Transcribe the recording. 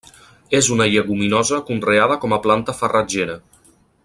És una lleguminosa conreada com a planta farratgera.